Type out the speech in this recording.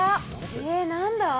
えっ何だ？